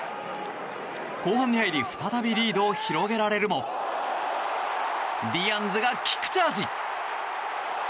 後半に入り再びリードを広げられるもディアンズがキックチャージ。